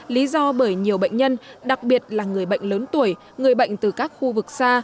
lý do bởi nhiều bệnh nhân đặc biệt là người bệnh lớn tuổi người bệnh từ các khu vực xa